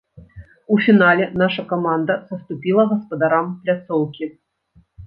У фінале наша каманда саступіла гаспадарам пляцоўкі.